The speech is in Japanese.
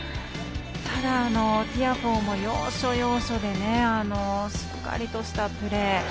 ただ、ティアフォーも要所要所でしっかりとしたプレー。